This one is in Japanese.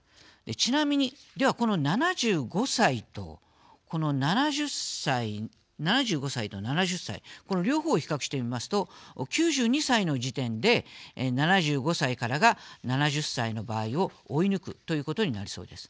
ちなみに、この７５歳と７０歳この両方を比較してみますと９２歳の時点で７５歳からが７０歳の場合を追い抜くということになりそうです。